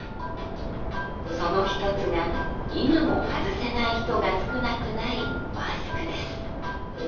その一つが今も外せない人が少なくないマスクです。